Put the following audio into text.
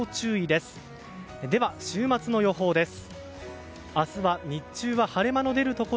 では、週末の予報です。